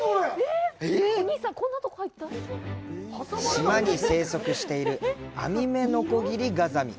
島に生息しているアミメノコギリガザミ。